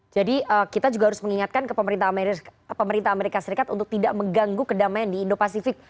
jadi kita juga harus mengingatkan ke pemerintah amerika serikat untuk tidak mengganggu kedamaian di indo pacific